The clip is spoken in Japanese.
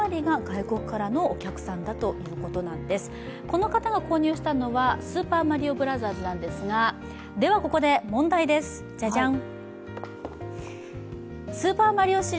この方が購入したのはスーパーマリオブラザーズなんですがここで問題です、ジャジャン！